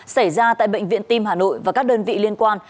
xảy ra tại bệnh viện tim hà nội và các đơn vị liên quan